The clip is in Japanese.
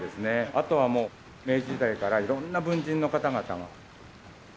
あとはもう明治時代から色んな文人の方々が。